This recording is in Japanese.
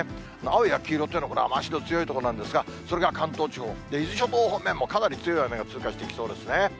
青や黄色というのは雨足の強い所なんですが、それが関東地方、伊豆諸島方面もかなり強い雨が通過していきそうですね。